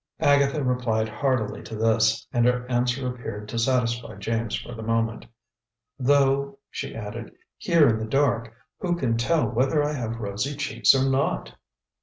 Agatha replied heartily to this, and her answer appeared to satisfy James for the moment. "Though," she added, "here in the dark, who can tell whether I have rosy cheeks or not?"